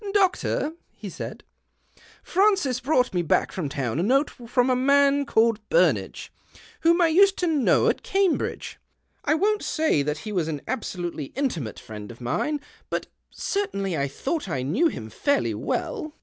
" Doctor," he said, " Francis brought me back from town a note from a man called Burnage, whom I used to know at Cambridge. I won't say that he was an absolutely intimate THE OCTAVE OF CLAUDIUS. 12b friend of mine, but certainly I thought I knew him fairly well.